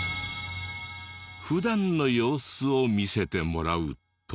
普段の様子を見せてもらうと。